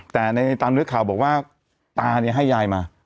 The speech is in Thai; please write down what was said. แต่ในตามเนื้อข่าวบอกว่าตาเนี่ยให้ยายมา